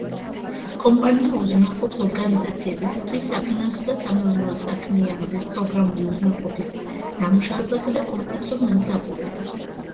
კომპანია უზრუნველყოფს ორგანიზაციებისათვის საფინანსო და სამეურნეო საქმიანობის პროგრამული უზრუნველყოფის დამუშავებასა და კომპლექსურ მომსახურებას.